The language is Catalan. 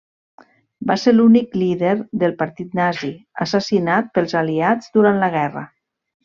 Va ser l'únic líder del Partit Nazi assassinat pels Aliats durant la guerra.